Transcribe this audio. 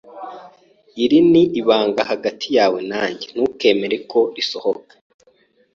Iri ni ibanga hagati yawe nanjye, ntukemere ko risohoka.